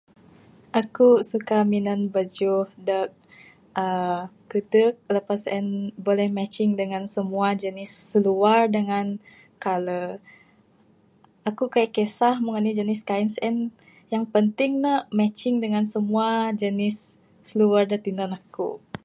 Eku suka minan bejuh de uhh kedek, lepas sien, boleh matching dengan simua jenis seluar dengan kaler. Eku kaik kisah mung enih jenis kain sien, yang penting ne matching dengan semua jenis, seluar de tinan eku.